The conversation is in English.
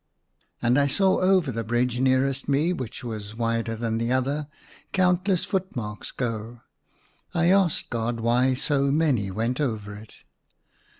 And I saw over the bridge nearest me, which was wider than the other, countless footmarks go. I asked God why so many went over it.